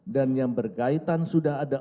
dan yang bergaitan sudah ada